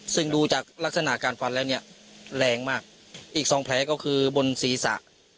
ซึ่งดูจากลักษณะการฟันแล้วเนี่ยแรงมากอีกสองแผลก็คือบนศีรษะ